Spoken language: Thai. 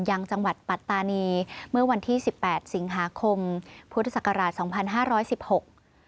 ยังจังหวัดปัตตานีเมื่อวันที่สิบแปดสิงหาคมพุทธศักราชสองพันห้าร้อยสิบหก